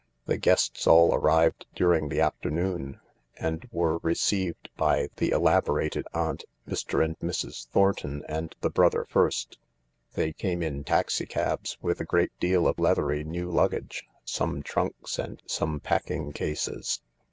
The guests all arrived during the afternoon and were received by the elaborated aunt, Mr. and Mrs. Thornton and the brother first. They came in taxi cabs, with a great deal of leathery new luggage — some trunks and some packing cases.